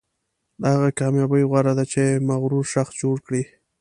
له هغه کامیابۍ غوره ده چې مغرور شخص جوړ کړي.